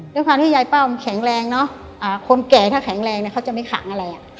ด้วยความที่ยายเป้ามันแข็งแรงเนอะคนแก่ถ้าแข็งแรงเนี่ยเขาจะไม่ขังอะไรอ่ะ